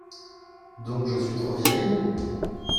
Donc je suis trop viril?